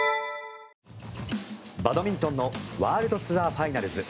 バドミントンのワールドツアーファイナルズ。